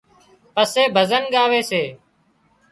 پسي ڀزن ڳاوي سي